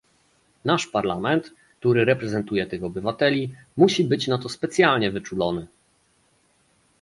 Nasz Parlament, który reprezentuje tych obywateli, musi być na to specjalnie wyczulony